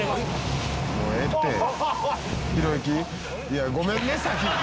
「いやごめんね先に。